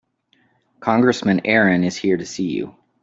Congressman Aaron is here to see you.